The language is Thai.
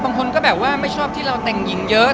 บางคนก็แบบว่าไม่ชอบที่เราแต่งหญิงเยอะ